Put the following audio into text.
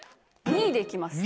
２位で行きます。